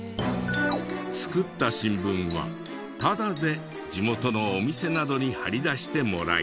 作った新聞はタダで地元のお店などに貼り出してもらい。